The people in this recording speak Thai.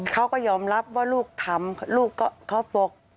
เขาก็ยอมรับว่าลูกทำลูกก็เขาบอก